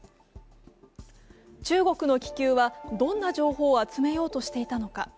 中国の気球はどんな情報を集めようとしていたのか。